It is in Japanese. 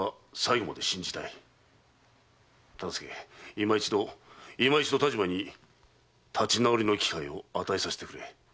忠相今一度今一度但馬に立ち直りの機会を与えさせてくれ。